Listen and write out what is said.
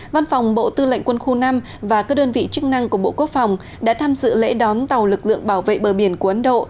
văn phòng bộ tư lệnh quân khu năm và các đơn vị chức năng của bộ quốc phòng đã tham dự lễ đón tàu lực lượng bảo vệ bờ biển của ấn độ